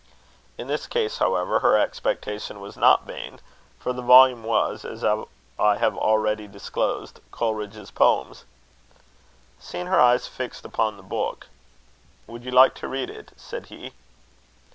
In this case, however, her expectation was not vain; for the volume was, as I have already disclosed, Coleridge's Poems. Seeing her eyes fixed upon the book "Would you like to read it?" said he.